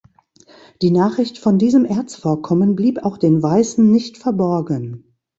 Die Nachricht von diesen Erzvorkommen blieb auch den Weißen nicht verborgen.